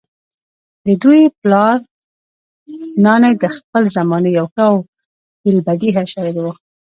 ددوي پلار نانے د خپلې زمانې يو ښۀ او في البديهه شاعر وو